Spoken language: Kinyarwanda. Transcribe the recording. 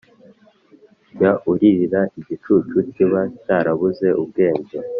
jya uririra igicucu, kiba cyarabuze ubwenge.